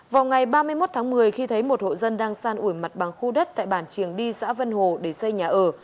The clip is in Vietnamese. vào ngày ba mươi một tháng một mươi khi thấy một hộ dân đang san ủi mặt bằng khu đất tại bản triềng đi xã vân hồ để xây nhà ở